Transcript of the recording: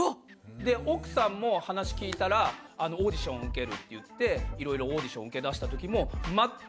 で奥さんも話聞いたらオーディション受けるって言っていろいろオーディション受けだしたときも全く何も言われてなかったって。